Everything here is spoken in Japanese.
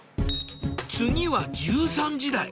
次は１３時台。